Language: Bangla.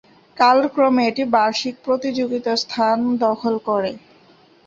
কালক্রমে এটি বার্ষিক প্রতিযোগিতার স্থান দখল করে।